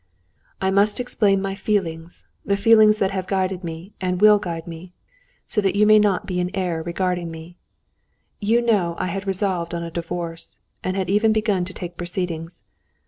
I must explain my feelings, the feelings that have guided me and will guide me, so that you may not be in error regarding me. You know I had resolved on a divorce, and had even begun to take proceedings.